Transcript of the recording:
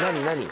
何？